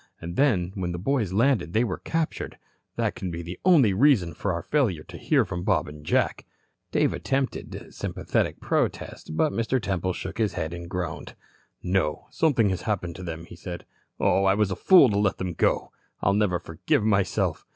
And then when the boys landed they were captured. That can be the only reason for our failure to hear from Bob and Jack." Dave attempted sympathetic protest, but Mr. Temple shook his head and groaned. "No, something has happened to them," he said. "Oh, I was a fool to let them go. I'll never forgive myself.